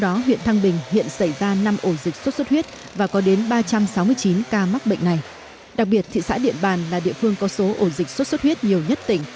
đặc biệt thị xã điện bàn là địa phương có số ổ dịch sốt xuất huyết nhiều nhất tỉnh